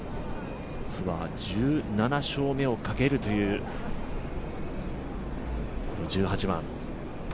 ツアー１７勝目をかけるというこの１８番。